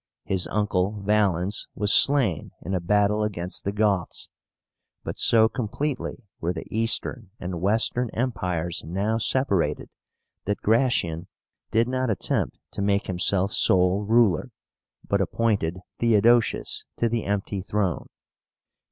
His uncle Valens was slain in a battle against the Goths; but so completely were the Eastern and Western Empires now separated, that Gratian did not attempt to make himself sole ruler, but appointed THEODOSIUS to the empty throne.